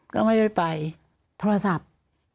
ก็ไม่ได้ไปโทรศัพท์